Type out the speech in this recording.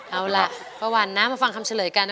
เอาล่ะป้าวันนะมาฟังคำเฉลยกันนะ